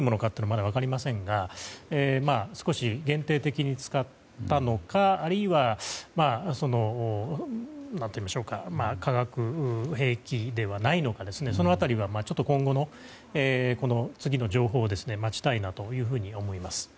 まだ分かりませんが少し限定的に使ったのかあるいは、化学兵器ではないのかその辺りは、今後の次の情報を待ちたいなと思います。